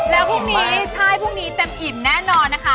แล้วพรุ่งนี้ใช่พรุ่งนี้เต็มอิ่มแน่นอนนะคะ